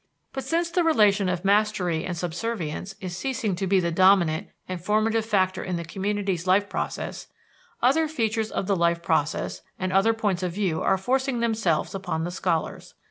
But since the relation of mastery and subservience is ceasing to be the dominant and formative factor in the community's life process, other features of the life process and other points of view are forcing themselves upon the scholars.